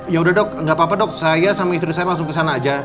yaudah dok gak apa apa dok saya sama istri saya langsung kesana aja